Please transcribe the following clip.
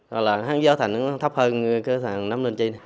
hoặc là hãng gió thành nó thấp hơn cái thằng nấm ninh chi